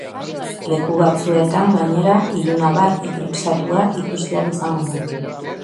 Leku batzuetan, gainera, ilunabar eklipsatua ikusi ahal izango da.